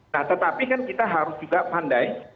nah tetapi kan kita harus juga pandai